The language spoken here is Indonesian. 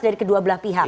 dari kedua belah pihak